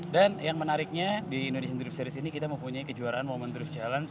dan yang menariknya di indonesian drift series ini kita mempunyai kejuaraan moment drift challenge